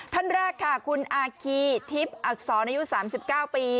ท่านแรกค่ะคุณอาคีทิพย์อักษรอายุ๓๙ปี